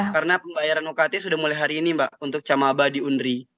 karena pembayaran ukt sudah mulai hari ini mbak untuk camaba di undri